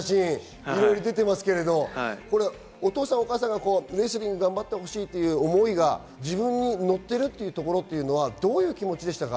いろいろありますが、お父さんお母さんがレスリングを頑張ってほしいという思いが自分に乗っているというところはどういう気持ちでしたか？